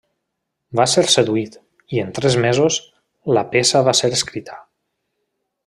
Va ser seduït, i en tres mesos, la peça va ser escrita.